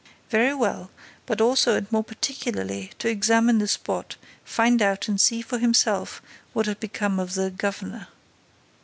"Very well, but also and more particularly to examine the spot, find out and see for himself what had become of the 'governor.